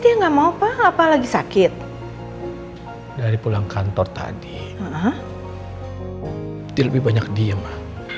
dia nggak mau apa lagi sakit dari pulang kantor tadi lebih banyak dia